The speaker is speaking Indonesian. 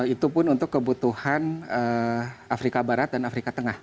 itu pun untuk kebutuhan afrika barat dan afrika tengah